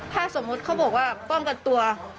ถ้าสมมุติเขาบอกว่าป้องกันตัว